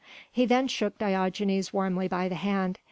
He then shook Diogenes warmly by the hand.